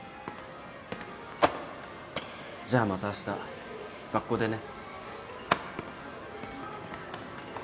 じゃあまたあした学校でね。